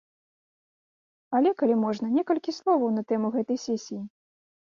Але, калі можна, некалькі словаў на тэму гэтай сесіі.